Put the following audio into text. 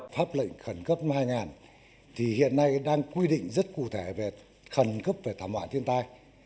pháp lệnh khẩn cấp hai nghìn thì hiện nay đang quy định rất cụ thể về khẩn cấp về thảm họa thiên tai